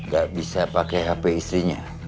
gak bisa pakai hp istrinya